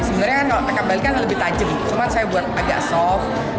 sebenarnya kan kalau pakai bali kan lebih tajam cuman saya buat agak soft